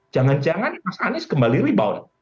jangan jangan mas anies kembali rebound